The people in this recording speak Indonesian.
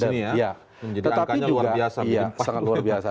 menjadi angkanya luar biasa